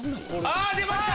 あ出ました！